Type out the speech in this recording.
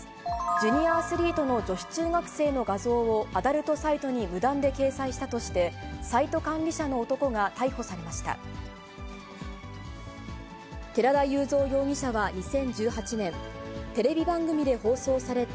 ジュニアアスリートの女子中学生の画像をアダルトサイトに無断で掲載したとして、サイト管理者の男が逮捕されました。